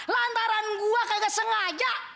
lantaran gue kagak sengaja